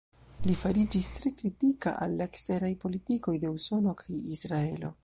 Li fariĝis tre kritika al la eksteraj politikoj de Usono kaj Israelo.